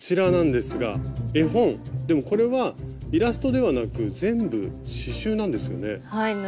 でもこれはイラストではなく全部刺しゅうなんですよね。